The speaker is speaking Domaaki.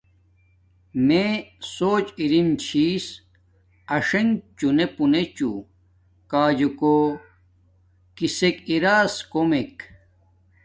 میے سوچ اِریم چِھس آݽنݣ چݹنے پݸنے چݸ کاجو کُوکیسک اِراس کومیک